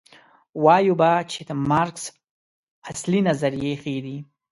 وایو به چې د مارکس اصلي نظریې ښې دي.